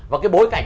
và cái bối cảnh